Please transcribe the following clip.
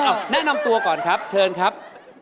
เอาแนะนำตัวก่อนครับเชิญครับ